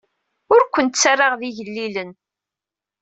Ur ken-ttarraɣ d igellilen.